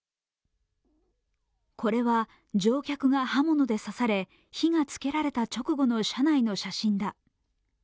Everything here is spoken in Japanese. これは乗客が刃物で刺され、火がつけられた直後の車内の写真だ。